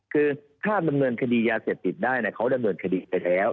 คือถ้าดำเนินคดียาเสพติดได้เขาดำเนินคดีไปแล้ว